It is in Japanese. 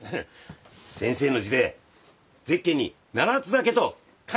先生の字でゼッケンに「七ツ岳」と書いてもらいたい。